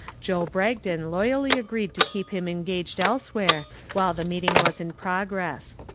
Joe Bragdon loyally agreed to keep him engaged elsewhere while the meeting was in progress.